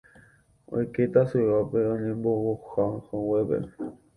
oike tasyópe oñembovohaguépe